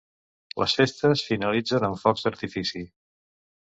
Les festes finalitzen amb focs d'artifici.